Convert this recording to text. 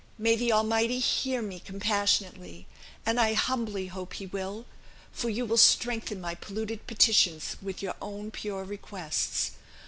May the Almighty hear me compassionately! and I humbly hope he will, for you will strengthen my polluted petitions with your own pure requests.